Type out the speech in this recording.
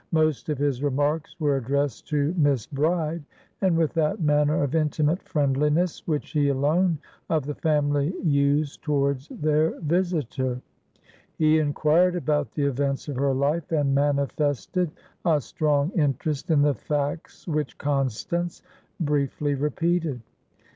Most of his remarks were addressed to Miss Bride, and with that manner of intimate friendliness which he alone of the family used towards their visitor. He inquired about the events of her life, and manifested a strong interest in the facts which Constance briefly repeated.